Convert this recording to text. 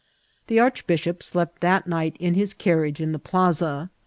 The archbishop slept that night in his car* riage in the plaza.